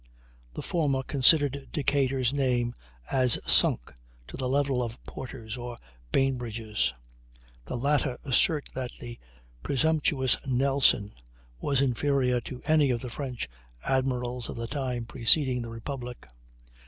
The former consider Decatur's name as "sunk" to the level of Porter's or Bainbridge's; the latter assert that the "presumptuous Nelson" was inferior to any of the French admirals of the time preceding the Republic.